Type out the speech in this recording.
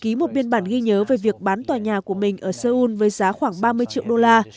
ký một biên bản ghi nhớ về việc bán tòa nhà của mình ở seoul với giá khoảng ba mươi triệu đô la